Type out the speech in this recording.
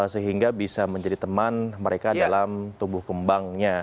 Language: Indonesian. sehingga bisa menjadi teman mereka dalam tumbuh kembangnya